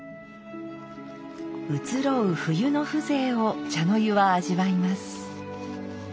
移ろう冬の風情を茶の湯は味わいます。